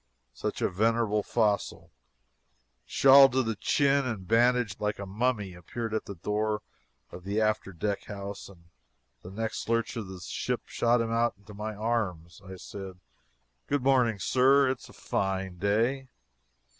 Soon a venerable fossil, shawled to the chin and bandaged like a mummy, appeared at the door of the after deck house, and the next lurch of the ship shot him into my arms. I said: "Good morning, Sir. It is a fine day."